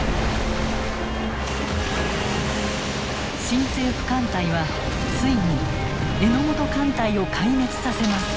新政府艦隊はついに榎本艦隊を壊滅させます。